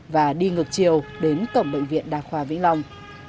và đi ngược chiều đến cổng bệnh viện đa khoa vĩnh long